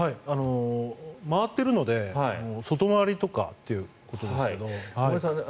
回っているので外回りとかっていうことですが。